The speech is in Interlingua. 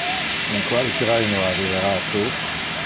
In qual traino arrivara tu?